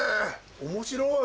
面白い。